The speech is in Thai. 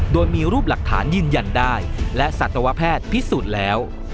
โดยมีรูปหลักฐานยืนยันได้และสัตวแพทย์พิสูจน์แล้ว